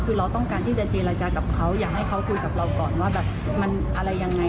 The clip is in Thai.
คือเราต้องการที่จะเจรจากับเขาอยากให้เขาคุยกับเราก่อนว่าแบบมันอะไรยังไง